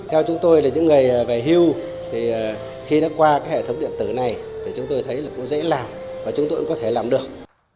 theo chúng tôi những người về hưu khi đã qua hệ thống điện tử này chúng tôi thấy dễ làm và chúng tôi cũng có thể làm được